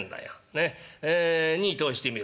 ねっ荷通してみろ。